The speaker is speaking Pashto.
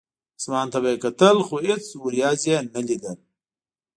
اسمان ته به یې کتل، خو هېڅ ورېځ یې نه لیده.